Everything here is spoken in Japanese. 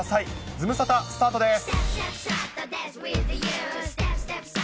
ズムサタ、スタートです。